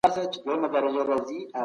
لنډ خوب هم ګټور دی.